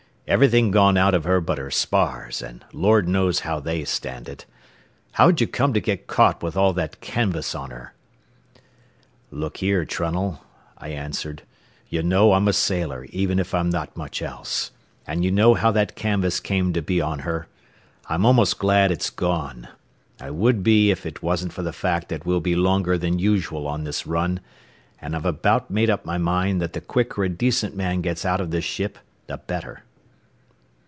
Everything gone out of her but her spars, and Lord knows how they stand it. How'd you come to get caught with all that canvas on her?" "Look here, Trunnell," I answered, "you know I'm a sailor even if I'm not much else, and you know how that canvas came to be on her. I'm almost glad it's gone. I would be if it wasn't for the fact that we'll be longer than usual on this run, and I've about made up my mind that the quicker a decent man gets out of this ship, the better."